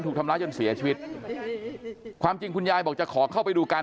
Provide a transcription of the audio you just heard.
ถูกทำร้ายจนเสียชีวิตความจริงคุณยายบอกจะขอเข้าไปดูกัน